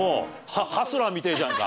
ハスラーみてえじゃんか。